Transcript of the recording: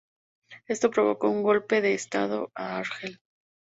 Esto provocó un golpe de estado en Argel.